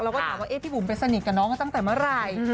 แล้วก็ถามว่าพี่บุ๋มไปสนิทกับน้องกันตั้งแต่เมื่อไหร่